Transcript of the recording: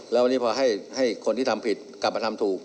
แล้ววันนี้พอให้คนที่ทำผิดกลับมาทำถูก